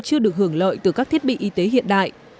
chưa được hưởng lợi từ các thiết bị y tế hiện đại